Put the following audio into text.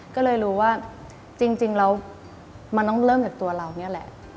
ก็เลยรู้ว่าจริงแล้วมันต้องเริ่มจากตัวเรานี่แหละ